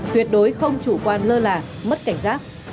tuyệt đối không chủ quan lơ là mất cảnh giác